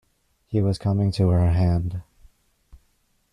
He was coming to her hand.